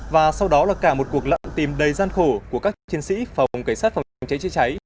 và sau đó là cả một cuộc lận tìm đầy gian khổ của các chiến sĩ phòng cảnh sát phòng cháy chữa cháy